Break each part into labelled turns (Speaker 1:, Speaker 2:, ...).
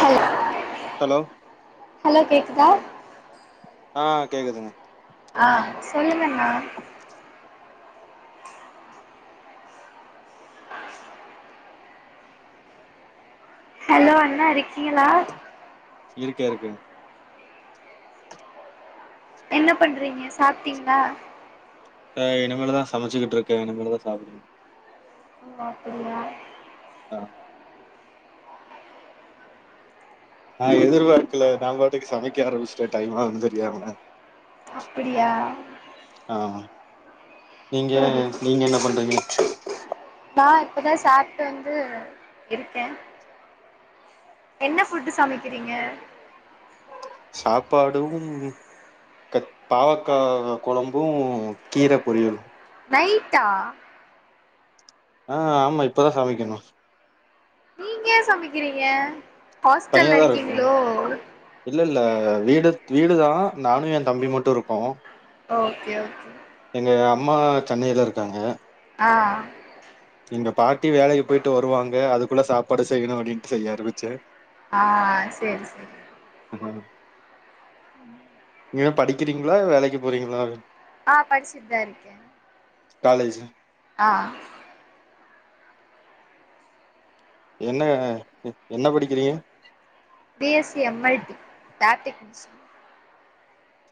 Speaker 1: கல்
Speaker 2: hello
Speaker 1: hello கேக்குதா
Speaker 2: ஆ கேக்குதுங்க
Speaker 1: ஆ சொல்லுங்க அண்ணா
Speaker 2: உம்
Speaker 1: ஹலோ அண்ணா இருக்கீங்களா
Speaker 2: இருக்கே இருக்கே
Speaker 1: என்ன பண்றீங்க சாப்டீங்ளா
Speaker 2: ஆ இனிமேலு தா சமைச்சிட்டு இருக்கே இனிமேலு தா சாப்டனு
Speaker 1: ஓ அப்புடியா
Speaker 2: ஆ நா எதிர்பார்க்கல நா பாட்டுக்கு சமைக்க ஆரம்பிச்சிட்டே டைம் ஆகுதுன்னு தெரியாம
Speaker 1: அப்பிடியா
Speaker 2: ஆ நீங்க
Speaker 1: சரி
Speaker 2: நீங்க என்ன பண்றீங்க
Speaker 1: நா இப்பதா சாப்புட்டு வந்து இருக்கே என்ன ஃபுட் சமைக்கிறீங்க
Speaker 2: சாப்பாடும் க பாவக்கா கொழம்பு கீரப் பொரியலு
Speaker 1: நைட்டா
Speaker 2: ஆ ஆமா இப்பதா சமைக்கணு
Speaker 1: நீங்க ஏயே சமைக்கிறீங்க ஹாஸ்டல்ல
Speaker 2: தனியாதா இருக்கோ
Speaker 1: இருக்கீங்களோ
Speaker 2: இல்ல இல்ல வீடு வீடுதா நானு எயே தம்பி மட்டு இருக்கோ
Speaker 1: ஓகே ஓகே
Speaker 2: எங்க அம்மா சென்னையில இருக்காங்க
Speaker 1: ஆ
Speaker 2: எங்க பாட்டி வேலைக்கு போயிட்டு வருவாங்க அதுக்குள்ள சாப்பாடு செய்யணோ அப்டின்ட்டு செய்ய ஆரமிச்ச
Speaker 1: ஆ செரி செரி
Speaker 2: [inaudible]
Speaker 1: [inaudible]
Speaker 2: நீங்க படிக்கிறீங்களா வேலைக்கு போறீங்களா
Speaker 1: ஆ பச்சிட்தா இருக்கே
Speaker 2: காலேஜ்
Speaker 1: ஆ
Speaker 2: என்ன என்ன படிக்கிறீங்க
Speaker 1: B S C M I லாப்டிக்ஸ்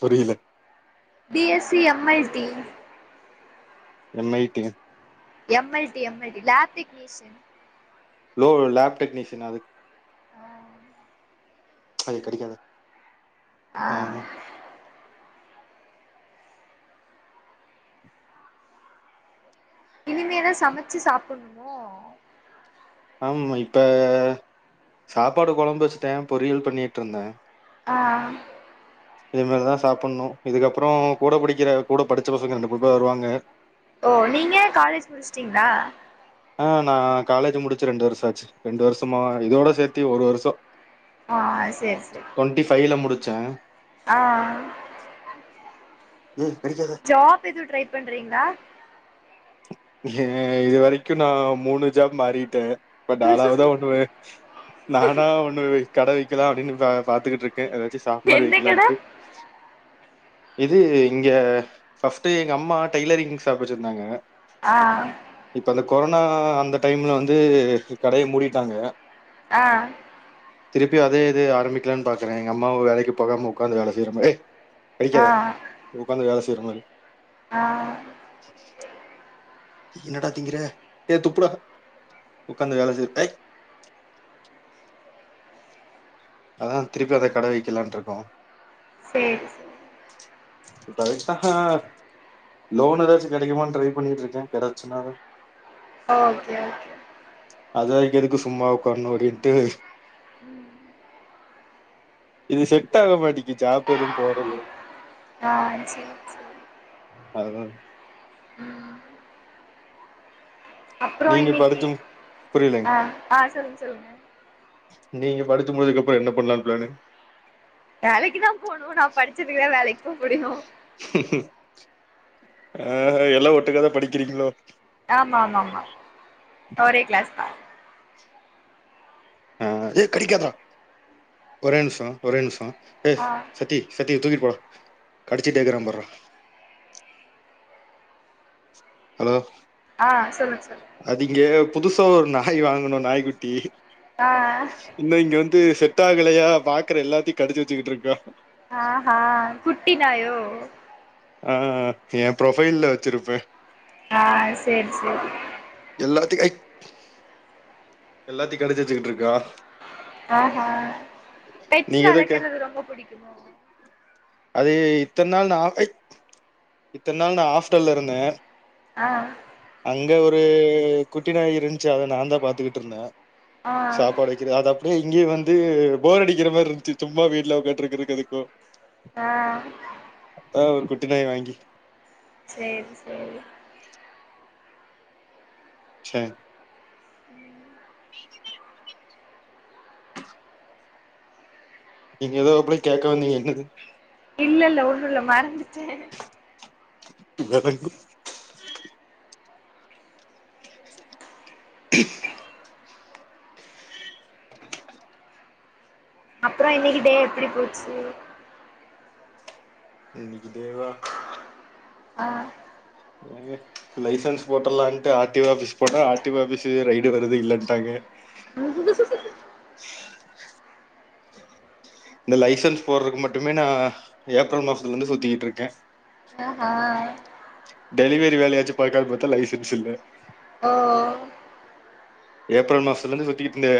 Speaker 2: புரில
Speaker 1: B S C M I T
Speaker 2: M I T யா
Speaker 1: M L T M L T லாப்டிக்ஸ்
Speaker 2: லோ லேப் டெக்னீஷியனா
Speaker 1: ஆ
Speaker 2: ஐ கடிக்காத
Speaker 1: அ இனிமேதா சமைச்சி சாப்புண்ணோ
Speaker 2: ஆமா இப்ப சாப்பாடு கொழம்பு வெஸ்ட பொரியல் பண்ணிட்டு இருந்த
Speaker 1: ஆ
Speaker 2: இனிமேல்தா சாப்புண்ணோ இதுக்கப்புறோ கூட படிக்கிற கூட படிச்ச பசங்க ரெண்டு மூணு பேர் வருவாங்க
Speaker 1: ஓ நீங்க காலேஜ் முடிச்சிட்டீங்ளா
Speaker 2: ஆ நா காலேஜ் முடிச்சு ரெண்டு வருஷோ ஆச்சி ரெண்டு வருஷமா இதோட சேத்தி ஒரு வருஷோ
Speaker 1: ஆ சேரி சேரி
Speaker 2: டொண்டி பைவ்ல முடிச்ச
Speaker 1: ஆ
Speaker 2: ஏய் கடிக்காத
Speaker 1: ஜாப் எதுவு ட்ரை பண்றீங்ளா
Speaker 2: ஏ இது வரைக்கு நா மூணு ஜாப் மாறிட்டே பட் ஆளாவதா ஒண்ணுமே நானா ஒண்ணு கட வெக்கலா அப்டின்னு பா பாத்துகிட்டு ஏதாச்சி சாப் மாரி
Speaker 1: எந்த கட
Speaker 2: வெக்கலான்ட்டு இது இங்க பஸ்ட்டு எங்க அம்மா டெய்லரிங் சாப் வச்சிருந்தாங்க
Speaker 1: ஆ
Speaker 2: இப்ப அந்த கொரோனா அந்த டைம்ல வந்து கடைய மூடிட்டாங்க
Speaker 1: ஆ
Speaker 2: திருப்பி அதே இது ஆரம்பிக்கலானு பாக்கற எங்க அம்மாவ வேலைக்கு போகாம உக்காந்து வேல செய்யுற மாறி ஏய்
Speaker 1: ஆ
Speaker 2: கடிக்காத உக்காந்து வேல செய்ற மாறி
Speaker 1: ஆ
Speaker 2: [inaudible] இன்னடா திங்கிற ஏ துப்புடா உக்காந்து வேல செய் ஏய் அதா திருப்பி அத கட வெக்கலான்ட்டு இருக்கோ
Speaker 1: செ
Speaker 2: பவித்தக்கா லோன் ஏதாச்சு கெடைக்குமா ட்ரை பண்ணிட்டு இருக்க கெடைச்சா
Speaker 1: ஓகே ஓகே
Speaker 2: அது வரைக்கு எதுக்கு சும்மா உக்காரணு அப்டின்ட்டு
Speaker 1: உம்
Speaker 2: இது செட் ஆக மாட்டேக்கி ஜாப் எதும் போறது
Speaker 1: ஆ சரி ச
Speaker 2: அதுதா
Speaker 1: ம் அப்றோ
Speaker 2: நீங்க
Speaker 1: இன்னைக்கு
Speaker 2: படிச்சு மு- புரியலங்க
Speaker 1: ஆ ஆ சொல்லுங்க சொல்லுங்க
Speaker 2: நீங்க படிச்சு முடிச்சதுக்கு அப்றோ என்ன பண்லான்னு பிளானு
Speaker 1: வேலைக்கு தா போணு நா படிச்சதுக்கு வேலக்கு போ முடியு
Speaker 2: அ எல்லா ஒட்டுக்காதா படிக்றீங்ளோ
Speaker 1: ஆமா ஆமா ஆமா ஒரே கிளாஸ் தா
Speaker 2: ஆ ஒரே நிமிஷோ ஒரே நிமிஷோ
Speaker 1: ஆ
Speaker 2: சத்தீ தூக்கிட்டு போற கடிச்சிட்டுடேகற பர்றா ஹலோ
Speaker 1: ஆ சொல்லுங் சர்
Speaker 2: அது இங்க புதுசா ஒரு நாய் வாங்குணோ நாய்குட்டி
Speaker 1: ஆ
Speaker 2: இன்னு இங்க வந்து செட்டாகலையா பாக்குற எல்லாத்தையு கடிச்சு வச்சுகிட்டு இருக்கா
Speaker 1: ஆஹா குட்டி நாயோ
Speaker 2: ஆ எ ப்ரோஃபைல்ல வச்சுருப்பே
Speaker 1: ஆ சரி சரி
Speaker 2: எல்லாத்தயு ஐ எல்லாத்தையு கடிச்சு வச்சுக்கிட்ருக்கா
Speaker 1: ஆஹா பெட்சு
Speaker 2: நீங்க எதுக்கு
Speaker 1: வளக்குறது ரொம்ப பிடிக்குமோ
Speaker 2: அது இத்தன் நாள் நா இத்தன் நாள் நா ஆஃப்டல்ல இருந்தே
Speaker 1: ஆ
Speaker 2: அங்க ஒரு குட்டி நாய் இருந்ச்சு அத நான் தா பாத்துக்கிட்டு இருந்தே
Speaker 1: ஆ
Speaker 2: சாப்பாடு வைக் கிது அது அப்டியே இங்கேயு வந்து போர் அடிக்ற மாரி இருந்துச்சு சும்மா வீட்ல உட்காண்ட்டு இருக்றதுக்கு அதுக்கு
Speaker 1: ஆ
Speaker 2: அதா ஒரு குட்டிநாய் வாங்கி
Speaker 1: சேரி சேரி
Speaker 2: ச [inaudible] நீங்க எதோ அப்ளே கேக்க வந்தீங்க என்னது
Speaker 1: இல்ல இல்ல ஒன்னுல்ல மறந்துட்டே
Speaker 2: கெடகு ஹ
Speaker 1: அப்றோ இன்னைக்கு டே எப்டி போச்சு
Speaker 2: இன்னைக்கி டேவா
Speaker 1: அ
Speaker 2: என்னங்க லைசன்ஸ் போட்டுர்லான்ட்டு ஆர் டி ஓ ஆஃபிஸ் போனா R T O office ride வருது இல்லன்ட்டாங்க இந்த லைசன்ஸ் போட்றக்கு மட்டுமே நா ஏப்ரல் மாசத்துல இருந்து சுத்திகிட்ருக்கே
Speaker 1: ஆ ஹா
Speaker 2: டெலிவரி வேலையாச்சு பாக்காலனு பாத்தா லைசன்ஸ் இல்ல
Speaker 1: ஓ
Speaker 2: ஏப்ரல் மாசத்துல இருந்து சுத்திட்டுருந்தே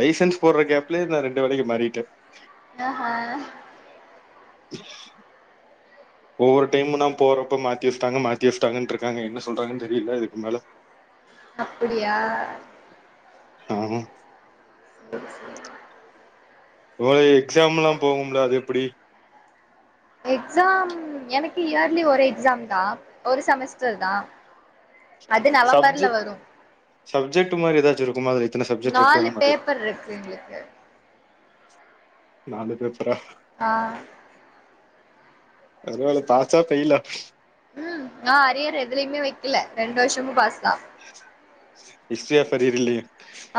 Speaker 2: லைசன்ஸ் போடர கேப்லே நா ரெண்டு வேலைக்கு மாறிட்டே
Speaker 1: ஆ ஹ
Speaker 2: ஒவ்வொரு டைமு நா போகிறப்போ மாத்தி வச்சுட்டாங்க மாத்தி வச்சுட்டாங்ன்ருக்காங்க என்ன சொல்றாங்கனு தெரில இதுக்கு மேல
Speaker 1: அப்படியா
Speaker 2: ஆமா
Speaker 1: சேரி சேரி
Speaker 2: ஒரு எக்ஸாமுலா போகும்ல அது எப்டி
Speaker 1: எக்ஸாம் எனக்கு இயர்லி ஒரு எக்ஸாம்தா ஒரு செமஸ்டர்தா
Speaker 2: சப்ஜெக்ட் சப்ஜெக்ட் மாரி ஏதாச்சு இருக்குமாதிரி
Speaker 1: நாலு பேப்பர் இருக்கு எங்ளுக்கு
Speaker 2: நாளு பேப்பரா
Speaker 1: ஆ
Speaker 2: பரவால்ல பாஸா ஃபெயிலா
Speaker 1: உ நா அரியரே எதுலயுமே வெக்கல ரெண்டு வருஷமு பாஸ்தா
Speaker 2: இஸ்ரியாஃபரீர் இல்லையே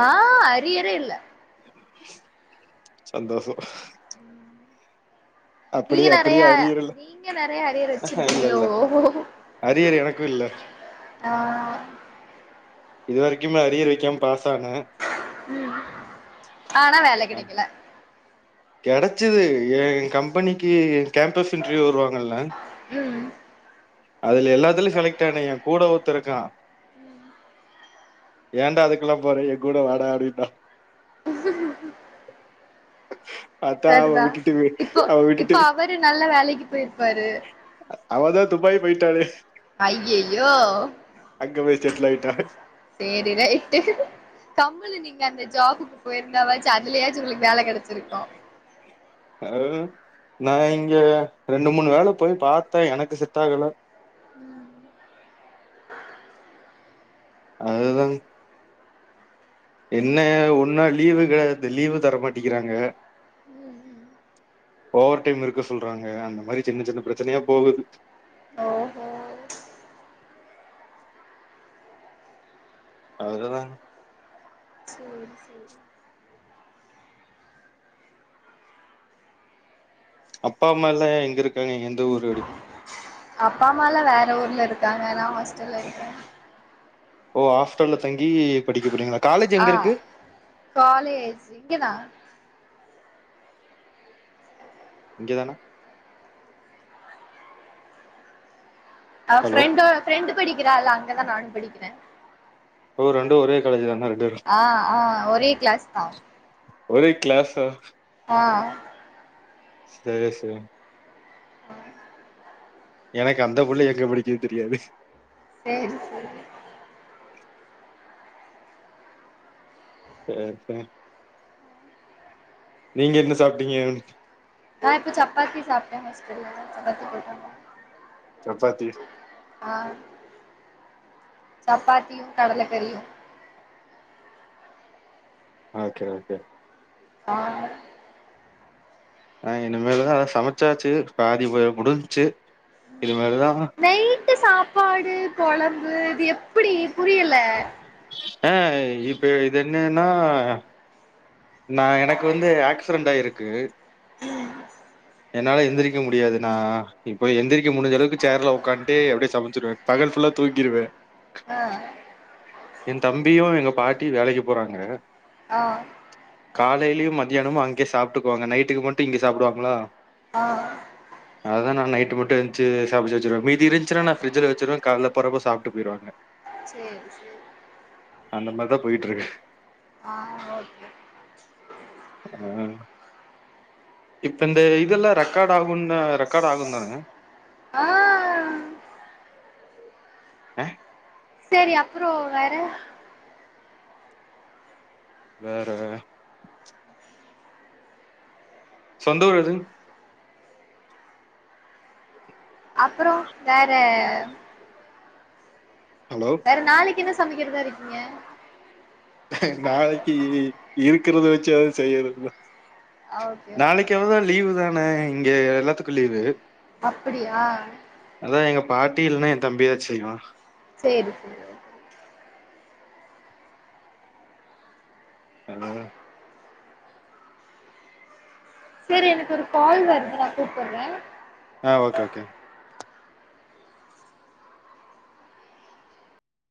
Speaker 1: ஆ அரியரே இல்ல
Speaker 2: சந்தோசோ
Speaker 1: நீங்க
Speaker 2: அப்டியே அப்டியே
Speaker 1: நறையா
Speaker 2: அரியர் இல்ல
Speaker 1: நீங்க நெறைய அரியர்
Speaker 2: இல்ல
Speaker 1: வச்சிருப்பீங்களோ
Speaker 2: இல்ல அரியர் எனக்கு இல்ல
Speaker 1: ஆ
Speaker 2: இது வரைக்கும்மே அரியர் வைக்காம பாஸ் ஆனே
Speaker 1: உ ஆனா வேல கெடைக்கல
Speaker 2: கெடச்சுது எ கம்பெனிக்கு கேம்பஸ் இன்டர்வியூ வருவாங்கல்ல
Speaker 1: உ
Speaker 2: அதுல எல்லாத்துலயு செலக்ட் ஆன ஏ கூட ஒருத்த இருக்கா ஏன்டா அதுக்கெல்லா போற எ கூட வாடா அப்டின்னா அதான் அவ
Speaker 1: சரிதா
Speaker 2: விட்டுட்டு வே-
Speaker 1: இப்போ
Speaker 2: அவ விட்டுட்டு
Speaker 1: இப்போ அவரு நல்ல வேலைக்கு போயிருப்பாரு
Speaker 2: அவதா துபாய் பேய்ட்டாளே
Speaker 1: ஐயையோ
Speaker 2: போய் செட்டில் ஆயிட்டா
Speaker 1: செரி ரைட்டு கம்புலு நீங்க அந்த ஜாபுக்கு போயிருந்தாவாச்சி அதுலேயாச்சி உங்ளுக்கு வேல கெடச்சிருக்கு
Speaker 2: அ நா இங்க ரெண்டு மூனு வேல போய் பாத்த எனக்கு செட் ஆகல அதுதாங் என்ன ஒன்னா லீவு கே லீவு தரமாட்டிங்கிறாங்க
Speaker 1: ம் ம்
Speaker 2: ஓவர் டைம் இருக்க சொல்றாங்க அந்த மாரி சின்ன சின்ன பிரச்சனையா போகுது
Speaker 1: ஓஹோ
Speaker 2: அவ்ததா
Speaker 1: சேரி சேரி
Speaker 2: அப்பா அம்மால்லா எங்க இருக்காங்கங்க எந்த ஊரடி
Speaker 1: அப்பா அம்மால்லா வேற ஊர்ல இருக்காங்க நா ஹாஸ்டல்ல இருக்கே
Speaker 2: ஓ ஹாஸ்டல்ல தங்கி படிக்கப் போறீங்களா காலேஜ்
Speaker 1: ஆ
Speaker 2: எங்க இருக்கு
Speaker 1: காலேஜ் இங்கதா
Speaker 2: இங்கதானா
Speaker 1: அவ
Speaker 2: ஹலோ
Speaker 1: ஃப்ரண்ட்டு ஃப்ரெண்டு் படிக்கிறால்ல அங்கதா நானு படிக்கிறே
Speaker 2: ஓ ரெண்டு ஒரே காலேஜ் தானா ரெண்டு வேரு
Speaker 1: ஆ ஆ ஒரே கிளாஸ்தா
Speaker 2: ஒரே கிளாஸா
Speaker 1: ஆ
Speaker 2: சேரி சேரி எனக்கு அந்தப் புள்ளையே எங்க புடிக்க தெரியாது
Speaker 1: சேரி
Speaker 2: சேரி ச நீங்க என்ன சாப்டீங்க
Speaker 1: நா இப்போ சப்பாத்தி சாப்டே ஹாஸ்டல்ல சப்பாத்தி போட்டாங்க
Speaker 2: சப்பாத்தி
Speaker 1: ஆ சப்பாத்தியு கடலக்கறியு
Speaker 2: ஓகே ஓகே
Speaker 1: ஆன
Speaker 2: ஆ இனிமேல்தா அதா சமைச்சாச்சி பாதி போ முடிஞ்சி இனிமேல்தா
Speaker 1: நைட்டு சாப்பாடு கொழம்பு இது எப்புடி இது புரியல்ல
Speaker 2: ஆ இப்ப இது என்னன்னா நா எனக்கு வந்து ஆக்சிடென்ட் ஆயிருக்கு என்னால எந்திரிக்க முடியாது நா இப்போ எந்திரிக்க முடிஞ்ச அளவுக்கு சேர்ல உக்காண்ட்டு அப்டியே சமைச்சிருவ பகல் ஃபுல்லா தூங்கிருவ
Speaker 1: அ
Speaker 2: ஏ தம்பியு எங்க பாட்டியு வேலைக்குப் போறாங்க
Speaker 1: ஆ
Speaker 2: காலேலயு மதியானமு அங்கயே சாப்டுக்குவாங்க நைட்டுக்கு மட்டு இங்க சாப்டுவாங்ளா
Speaker 1: ஆ
Speaker 2: அதா நா நைட்டு மட்டு எஞ்ச்சு சமைச்சி வெச்சிருவ மீதி இருஞ்சினா நா ஃபிரிஜ்ல வெச்சிருவ கால்ல போறப்ப சாப்ட்டு போயிருவாங்க
Speaker 1: சேரி சேரி
Speaker 2: அந்த மாரிதா போயிட்டு இருக்கு
Speaker 1: ஆ ஓ
Speaker 2: ஆ இப்ப இந்த இதெல்லா ரெக்கார்ட் ஆகுன்ன ரெக்கார்ட் ஆகுந்தான
Speaker 1: ஆ ஆ ஆ ஆ
Speaker 2: அ
Speaker 1: செரி அப்புறோ வேற
Speaker 2: வேற வே சொந்த ஊரு எதுங்
Speaker 1: அப்றோ வேற
Speaker 2: ஹலோ
Speaker 1: வேற நாளைக்கு என்ன சமைக்கிறதா இருக்கீங்க
Speaker 2: நாளைக்கி இருக்கறத வெச்சாது செய்யானுல
Speaker 1: ஓகே ஓகே
Speaker 2: நாளைக்கு அவ்ளோதா லீவு தான இங்க எல்லாத்துக்கு லீவு
Speaker 1: அப்டியா
Speaker 2: அதா எங்க பாட்டி இல்லன்னா ஏ தம்பிதா செய்வா
Speaker 1: செரி தோழர்
Speaker 2: ஹலோ
Speaker 1: செரி எனக்கு ஒரு கால் வருது நா கூப்புடுற
Speaker 2: அ ஓகே ஓகே